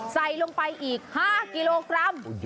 ใส่ลงไปอีก๕กิโลกรัม